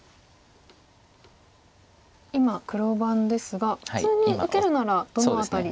今黒番ですが普通に受けるならどの辺り。